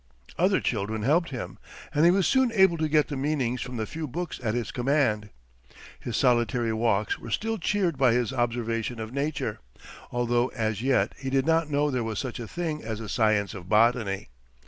Other children helped him, and he was soon able to get the meanings from the few books at his command. His solitary walks were still cheered by his observation of nature, although as yet he did not know there was such a thing as a science of botany.